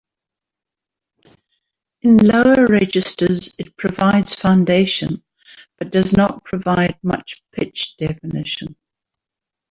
In lower registers it provides foundation but does not provide much pitch definition.